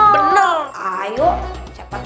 bener ayo siapa takut